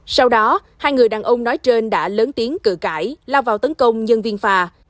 sau đó hai người đàn ông nói trên đã lớn tiếng cử cãi lao vào tấn công nhân viên phà